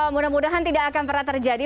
mudah mudahan tidak akan pernah terjadi